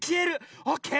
オーケー。